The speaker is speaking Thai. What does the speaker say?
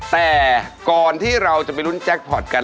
แต่ก่อนที่เราจะไปลุ้นแจ็คพอร์ตกัน